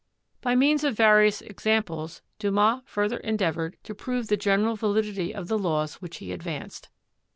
By means of various examples, Dumas further endeav ored to prove the general validity of the laws which he ad vanced.